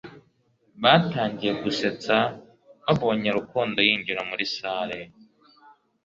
Batangiye gusetsa babonye Rukundo yinjira muri salle